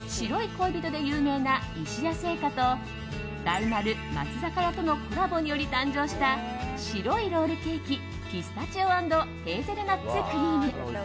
北海道土産の定番白い恋人で有名な石屋製菓と大丸・松坂屋とのコラボにより誕生した白いロールケーキピスタチオ＆ヘーゼルナッツクリーム。